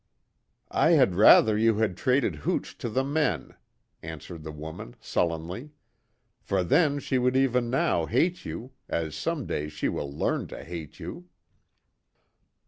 "I had rather you had traded hooch to the men," answered the woman, sullenly, "For then she would even now hate you as someday she will learn to hate you!"